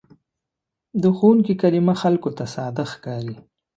د ښوونکي کلمه خلکو ته ساده ښکاري.